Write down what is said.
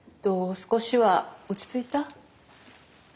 少しは落ち着いた？